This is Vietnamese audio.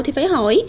thì phải hỏi